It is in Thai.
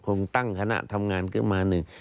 คงตั้งคณะทำงานขึ้นมาหนึ่ง